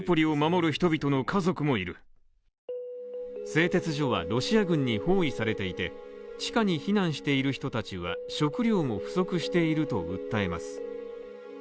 製鉄所はロシア軍に包囲されていて、地下に避難している人たちは、食糧も不足していると訴えます。